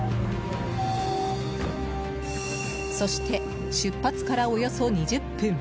そして、出発からおよそ２０分。